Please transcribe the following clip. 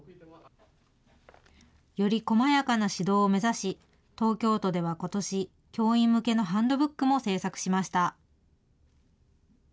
より細やかな指導を目指し、東京都ではことし、教員向けのハンドブックも制作しました。